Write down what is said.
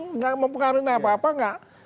itu nggak mempengaruhi apa apa nggak